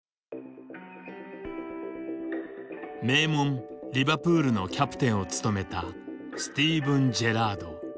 名門リバプールのキャプテンを務めたスティーブン・ジェラード。